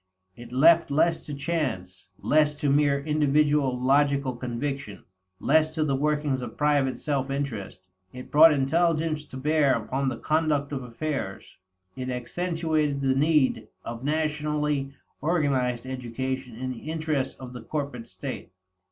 It left less to chance, less to mere individual logical conviction, less to the workings of private self interest. It brought intelligence to bear upon the conduct of affairs; it accentuated the need of nationally organized education in the interests of the corporate state.